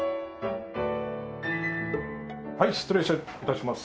はい失礼致します。